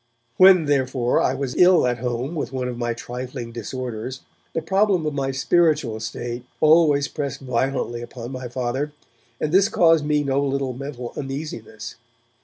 When, therefore, I was ill at home with one of my trifling disorders, the problem of my spiritual state always pressed violently upon my Father, and this caused me no little mental uneasiness.